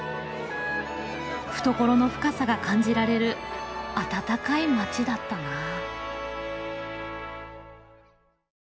懐の深さが感じられる温かい街だったなあ。